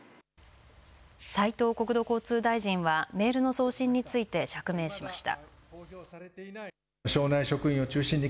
斉藤国土交通大臣はメールの送信について釈明しました。